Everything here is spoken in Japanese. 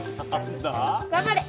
頑張れ！